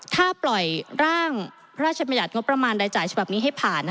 ถ้าปล่อยร่างพระราชบัญญัติงบประมาณรายจ่ายฉบับนี้ให้ผ่าน